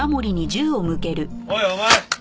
おいお前！